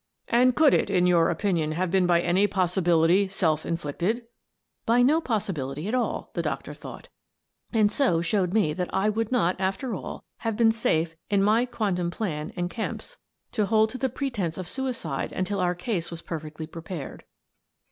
"And could it, in your opinion, have been by any possibility self inflicted?" By no possibility at all, the doctor thought, and so showed me that I would not, after all, have been safe in my quondam plan and Kemp's to hold to The Inquest 169 the pretence of suicide until our case was perfectly prepared.